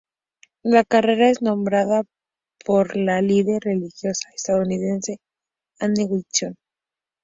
La carretera es nombrada por la líder religiosa estadounidense Anne Hutchinson.